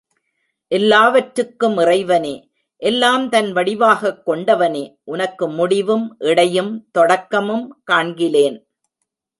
எல்லாவற்றுக்கும் இறைவனே, எல்லாம் தன் வடிவாகக் கொண்டவனே, உனக்கு முடிவும் இடையும் தொடக்கமும் காண்கிலேன்.